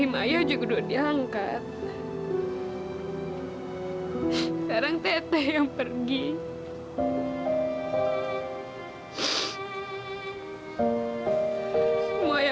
maya udah gak ada gunanya